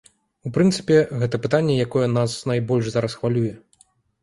У прынцыпе, гэта пытанне, якое нас найбольш зараз хвалюе.